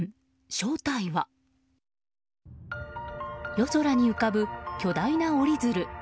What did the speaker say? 夜空に浮かぶ巨大な折り鶴。